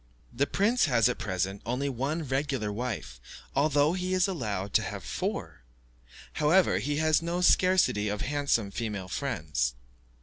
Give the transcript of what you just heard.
The prince has at present only one regular wife, although he is allowed to have four; however, he has no scarcity of handsome female friends.